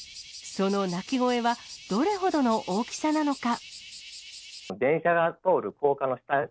その鳴き声はどれほどの大きさなのか。